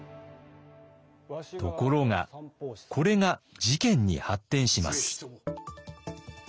ところがこれが事件に発展します。